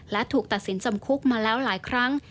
และถูกตัดสินจำคุกมาแล้วหลายครั้ง